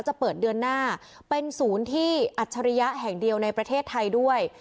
จะเปิดเดือนหน้าเป็นศูนย์ที่อัจฉริยะแห่งเดียวในประเทศไทยด้วย